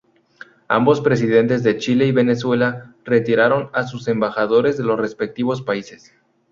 Ambos presidentes de Chile y Venezuela, retiraron a sus embajadores de los respectivos países.